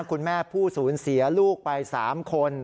คุณแม่ผู้สูญเสียลูกไป๓คน